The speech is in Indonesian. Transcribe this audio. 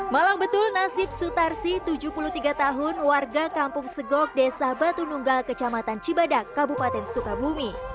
malang betul nasib sutarsi tujuh puluh tiga tahun warga kampung segok desa batu nunggal kecamatan cibadak kabupaten sukabumi